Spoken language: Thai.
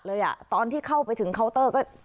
อ่ะตอนที่เข้าไปถึงเคาน์เตอร์ก็